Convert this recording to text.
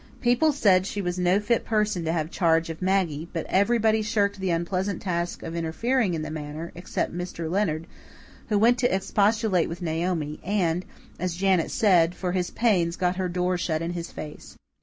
People said she was no fit person to have charge of Maggie, but everybody shirked the unpleasant task of interfering in the matter, except Mr. Leonard, who went to expostulate with Naomi, and, as Janet said, for his pains got her door shut in his face.